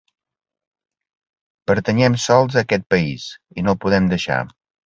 Pertanyem sols a aquest país, i no el podem deixar.